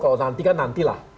kalau nanti kan nantilah